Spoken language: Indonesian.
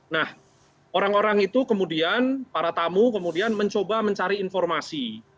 nah orang orang itu kemudian para tamu kemudian mencoba mencari informasi